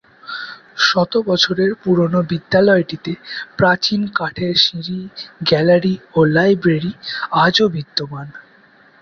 শত বছরের পুরোনো বিদ্যালয়টিতে প্রাচীন কাঠের সিঁড়ি, গ্যালারি ও লাইব্রেরি আজও বিদ্যমান।